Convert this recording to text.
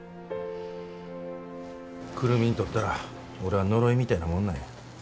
久留美にとったら俺は呪いみたいなもんなんや。